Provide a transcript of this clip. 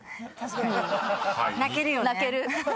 泣けるよね。